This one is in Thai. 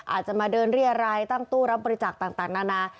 อาจจะมาเดินเรียรัยตั้งตู้รับบริจาคต่างนานา